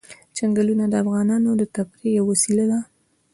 چنګلونه د افغانانو د تفریح یوه وسیله ده.